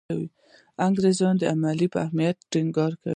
انګریز د عمل په اهمیت ټینګار کوي.